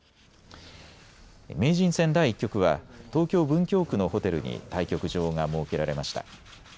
名人戦第１局は東京文京区のホテルに対局場が設けられました。